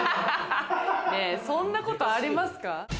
そんなことありますか？